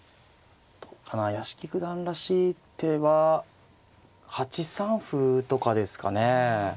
屋敷九段らしい手は８三歩とかですかね。